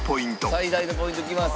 最大のポイントきます。